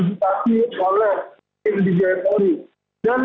lapas kelas satu tangerang